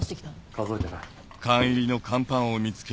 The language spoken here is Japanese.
数えてない。